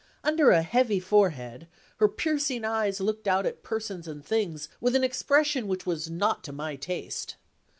Under a heavy forehead, her piercing eyes looked out at persons and things with an expression which was not to my taste.